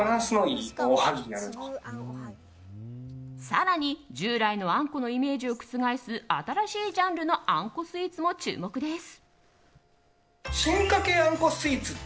更に、従来のあんこのイメージを覆す新しいジャンルのあんこスイーツも注目です。